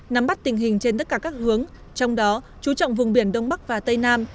nắm bắt tình hình trên tất cả các hướng trong đó chú trọng vùng biển đông bắc và tây nam